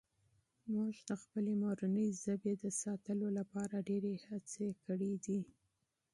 موږ د خپلې مورنۍ ژبې د ساتلو لپاره ډېرې هڅې کړي دي.